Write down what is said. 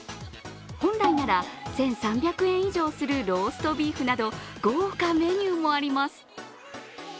本来なら１３００円以上するローストビーフなど豪華メニューもあります。